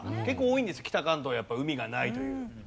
結構多いんです北関東やっぱ海がないという。